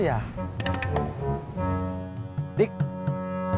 ya kamu mau beli